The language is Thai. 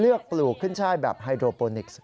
ปลูกขึ้นช่ายแบบไฮโดโปนิกส์